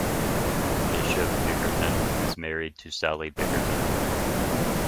Bishop Bickerton is married to Sally Bickerton.